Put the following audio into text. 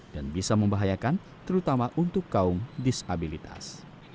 bisa membahayakan terutama untuk kaum disabilitas